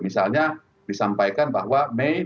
misalnya disampaikan bahwa